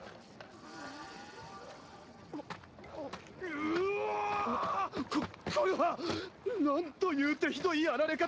うおここれはなんという手ひどいやられ方だ。